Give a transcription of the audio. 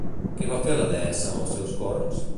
Què va fer la deessa amb els seus corns?